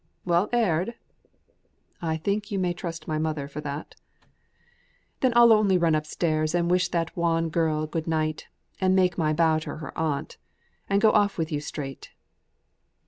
"Well aired?" "I think you may trust my mother for that." "Then I'll only run upstairs and wish that wan girl good night, and make my bow to her aunt, and go off with you straight."